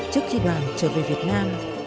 trước khi đoàn trở về việt nam